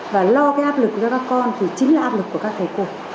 và lo cái áp lực cho các con thì chính là áp lực của các thầy cô